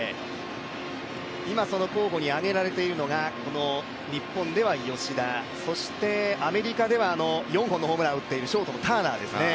今、その候補に挙げられているのが、日本では吉田、そしてアメリカでは４本のホームランを打っているショートのターナーですね。